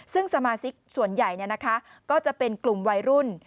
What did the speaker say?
ซึ่งสมาชิกส่วนใหญ่ก็จะเป็นกลุ่มวัยรุ่น